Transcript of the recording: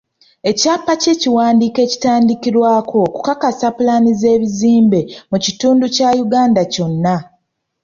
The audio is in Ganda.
Ekyapa kye kiwandiiko ekitandikirwako okukakasa pulaani z'ebizimbe mu kitundu kya Uganda kyonna.